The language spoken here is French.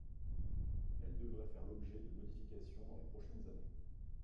Elle devrait faire l'objet de modifications dans les prochaines années.